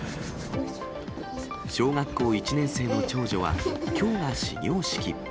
小学校１年生の長女は、きょうが始業式。